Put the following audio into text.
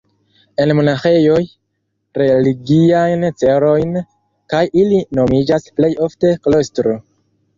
En monaĥejoj, religiajn celojn, kaj ili nomiĝas plej ofte klostro.